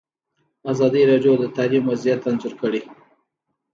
ازادي راډیو د تعلیم وضعیت انځور کړی.